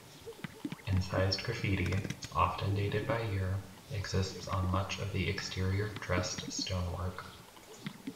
Incised graffiti, often dated by year, exists on much of the exterior dressed stonework.